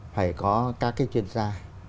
phải có các cái chuyên gia